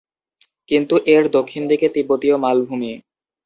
কিন্তু এর দক্ষিণদিকে তিব্বতীয় মালভূমি।